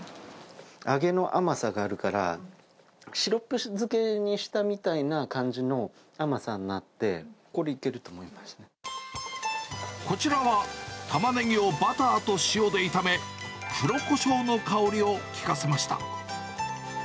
揚げの甘さがあるから、シロップ漬けにしたみたいな感じの甘さになって、こちらは、タマネギをバターと塩で炒め、黒こしょうの香りを効かせました。